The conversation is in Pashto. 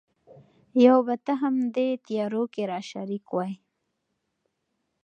یو به ته هم دې تیارو کي را شریک وای